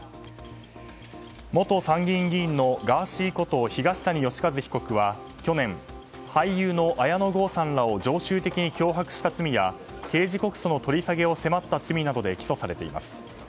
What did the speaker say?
元参議院議員のガーシーこと東谷義一被告は去年俳優の綾野剛さんらを常習的に脅迫した罪や刑事告訴取り下げを迫った罪などで起訴されています。